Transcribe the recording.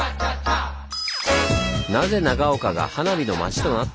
なぜ長岡が「花火の町」となったのか。